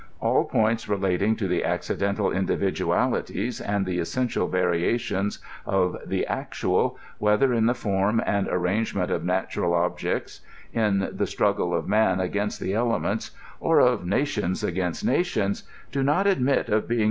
All points relating to the accidental individualities, and the essen tial variations of the actual, whether in the form and arrange ment of natural objects in the struggle of man against the elements, or of nations against nations, io not admit of being Vol.